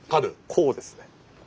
こうですね。